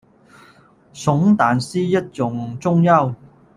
熊胆是一种中药。